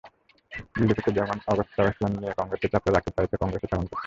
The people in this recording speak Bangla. বিজেপি যেমন অগস্তা ওয়েস্টল্যান্ড নিয়ে কংগ্রেসকে চাপে রাখতে চাইছে, কংগ্রেসও তেমন করছে।